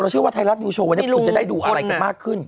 เชื่อว่าไทยรัฐนิวโชว์วันนี้คุณจะได้ดูอะไรกันมากขึ้น